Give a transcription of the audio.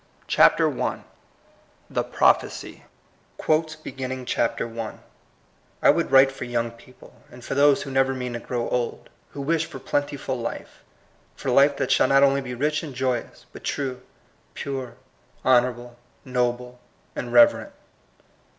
The Happy Lipk 190 *'I would write for young people, and for those who never mean to grow old, who wish for plentiful life, — for life that shall not only be rich and joyous, but true, pure, honorable, noble, and reverent.